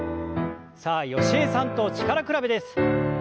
さあ吉江さんと力比べです。